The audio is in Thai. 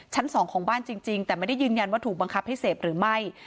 ชั้นศักดิ์ที่๒ของบ้านจริงแต่ไม่ได้ยืนยันว่าถูกบังคับให้เสพหรือไม่